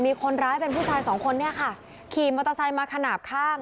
มีคนร้ายเป็นผู้ชายสองคนเนี่ยค่ะขี่มอเตอร์ไซค์มาขนาดข้าง